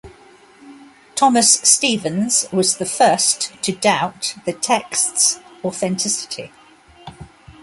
Thomas Stephens was the first to doubt the text's authenticity.